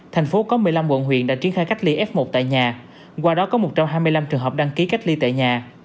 thành phố có một mươi năm quận huyện đã triển khai cách ly f một tại nhà qua đó có một trăm hai mươi năm trường hợp đăng ký cách ly tại nhà